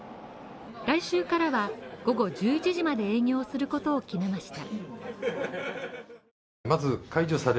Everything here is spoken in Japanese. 来週からは午後１１時まで営業することを決めました。